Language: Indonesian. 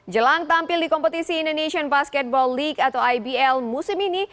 jelang tampil di kompetisi indonesian basketball league atau ibl musim ini